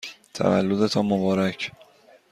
تولدتان مبارک!